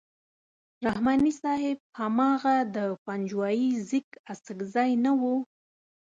رحماني صاحب هماغه د پنجوایي زېږ اڅکزی نه وو.